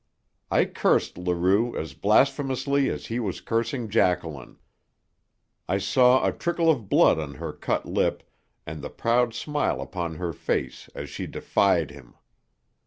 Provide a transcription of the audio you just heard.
I cursed Leroux as blasphemously as he was cursing Jacqueline. I saw a trickle of blood on her cut lip, and the proud smile upon her face as she defied him.